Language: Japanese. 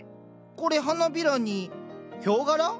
これ花びらにヒョウ柄？